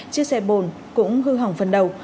chiếc xe bồn cũng hư hỏng phần đầu